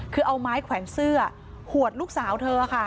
คือเอาไม้แขวนเสื้อหวดลูกสาวเธอค่ะ